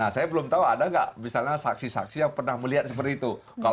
saya belum tahu ada nggak misalnya saksi saksi yang pernah melihat seperti itu